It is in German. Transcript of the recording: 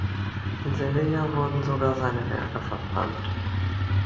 In Sevilla wurden sogar seine Werke verbrannt.